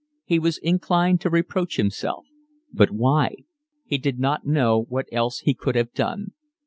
He was inclined to reproach himself. But why? He did not know what else he could have done.